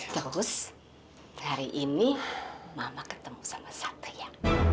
terus hari ini mama ketemu sama satria